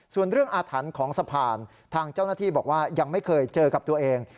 ส่วนเรื่องอาถรรพ์ของสะพานทางเจ้าหน้าที่บอกว่ายังไม่เคยเจอกับตัวเอง